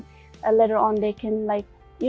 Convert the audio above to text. dan kemudian mereka bisa